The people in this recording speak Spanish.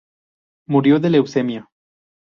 Murió de leucemia.